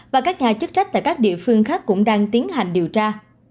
và các nhà chức trách tại các địa phương khác cũng đang tiến hành điều tra